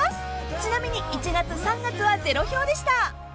［ちなみに１月３月は０票でした］